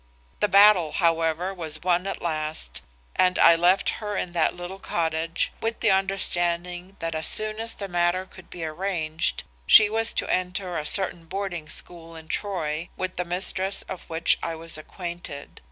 The battle, however, was won at last and I left her in that little cottage, with the understanding that as soon as the matter could be arranged, she was to enter a certain boarding school in Troy with the mistress of which I was acquainted.